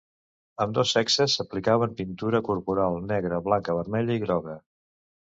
Ambdós sexes s'aplicaven pintura corporal negra, blanca, vermella i groga.